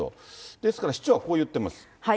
ですから市長はこう言ってます。